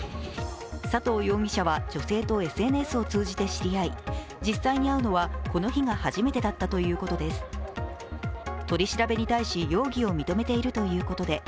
佐藤容疑者は、女性とＳＮＳを通じて知り合い実際に会うのはこの日が初めてだったということです。